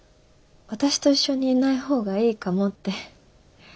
私と一緒にいない方がいいかもって。